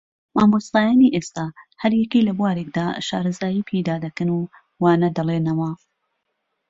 مامۆستایانی ئێستا ھەر یەکەی لە بوارێکدا شارەزایی پەیدادەکەن و وانە دەڵێنەوە